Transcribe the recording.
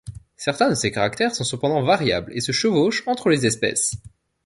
Certains de ces caractères sont cependant variables et se chevauchent entre les espèces.